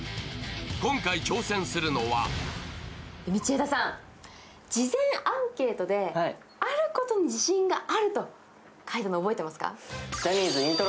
今回挑戦するのは道枝さん、事前アンケートであることに自信があると書いたのは覚えてますか。